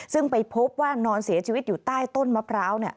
ซึ่งไปพบว่านอนเสียชีวิตอยู่ใต้ต้นมะพร้าว